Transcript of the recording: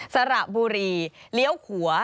สระบุรีเลี้ยวขัว